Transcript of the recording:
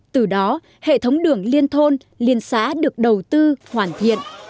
từ đó hệ thống đường liên thôn liên xã được đầu tư hoàn thiện